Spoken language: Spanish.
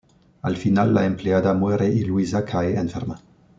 Al final la empleada muere y Luisa cae enferma.